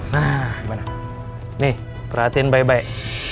nah gimana nih perhatiin baik baik